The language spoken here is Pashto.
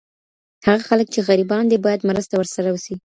هغه خلګ چي غریبان دي باید مرسته ورسره وسي.